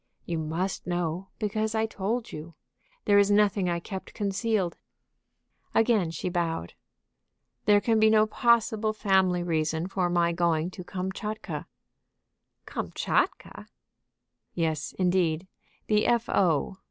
"You must know, because I told you. There is nothing I kept concealed." Again she bowed. "There can be no possible family reason for my going to Kamtchatka." "Kamtchatka!" "Yes, indeed; the F.O."